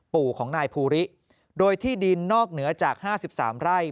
ปู่ของนายภูริโดยที่ดินนอกเหนือจาก๕๓ไร่